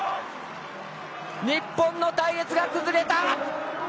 日本の隊列が崩れた！